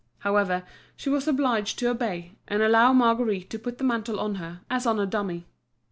However, she was obliged to obey and allow Marguerite to put the mantle on her, as on a dummy.